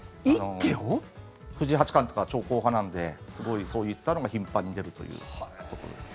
藤井八冠とかは長考派なのでそういったのが頻繁に出るということですね。